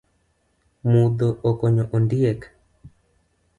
Mudho okonyo ondiek